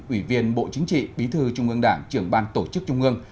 ủy viên bộ chính trị bí thư trung ương đảng trưởng ban tổ chức trung ương